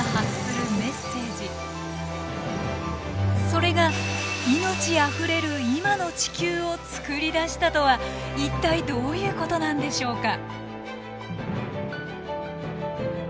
それが命あふれる今の地球を作り出したとは一体どういうことなんでしょうか？